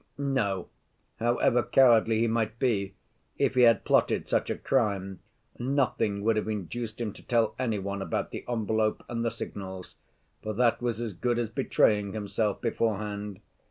"No, however cowardly he might be, if he had plotted such a crime, nothing would have induced him to tell any one about the envelope and the signals, for that was as good as betraying himself beforehand.